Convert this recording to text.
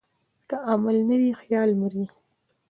که عمل نه وي، خیال مري.